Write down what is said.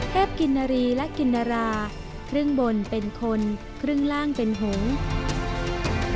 เทพกิณรีและกิณราครึ่งบนเป็นคนครึ่งล่างเป็นหงค์